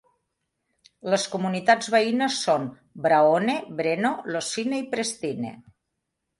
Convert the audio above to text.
Les comunitats veïnes són Braone, Breno, Losine i Prestine.